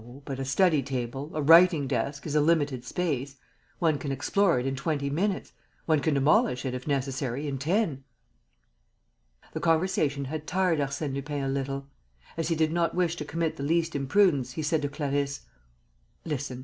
But a study table, a writing desk, is a limited space. One can explore it in twenty minutes. One can demolish it, if necessary, in ten." The conversation had tired Arsène Lupin a little. As he did not wish to commit the least imprudence, he said to Clarisse: "Listen.